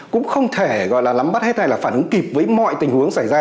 cũng không thể gọi là lắm bắt hết hay là phản ứng kịp với mọi tình huống xảy ra